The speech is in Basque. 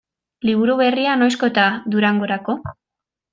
Liburu berria noizko eta Durangorako?